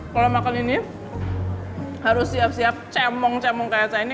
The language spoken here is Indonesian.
kalau makan ini harus siap siap cemong cemong kayak saya ini